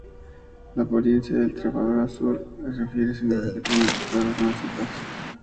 La apariencia del trepador azur difiere significativamente de todos las demás sitas.